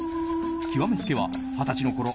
極めつけは、二十歳のころ